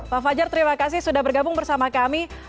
pak fajar terima kasih sudah bergabung bersama kami